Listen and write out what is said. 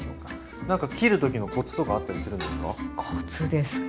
何か切る時のコツとかあったりするんですか？